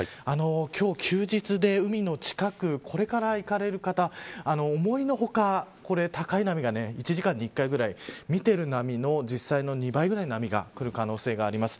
今日、休日で海の近くこれから行かれる方思いのほか、高い波が１時間に１回ぐらい見てる波の実際の２倍ぐらいの波がくる可能性があります。